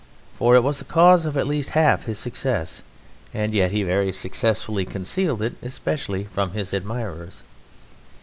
For it was the cause of at least half his success; and yet he very successfully concealed it especially from his admirers.